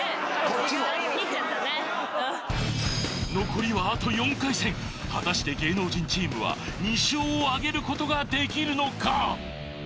こっちも残りはあと４回戦果たして芸能人チームは２勝をあげることができるのか？